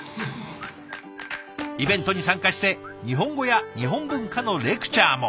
イベントに参加して日本語や日本文化のレクチャーも。